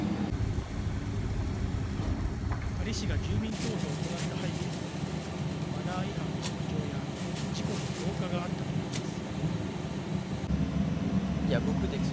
パリ市が住民投票を行った背景には、マナー違反への苦情や事故の増加があったといいます。